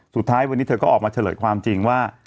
สุดท้ายวันนี้เธอก็ออกมาเฉลยความจริงว่า